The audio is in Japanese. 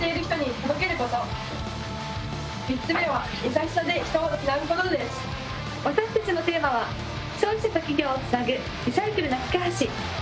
３つめは私たちのテーマは消費者と企業をつなぐリサイクルな架け橋。